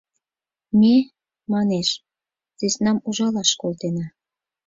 Ме, — манеш, — сӧснам ужалаш колтена.